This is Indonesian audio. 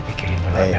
kotor gini ya